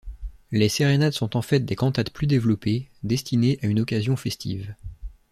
Les sérénades sont en fait des cantates plus développées, destinées à une occasion festive.